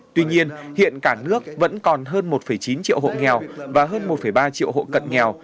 tuy nhiên hiện cả nước vẫn còn hơn một chín triệu hộ nghèo và hơn một ba triệu hộ cận nghèo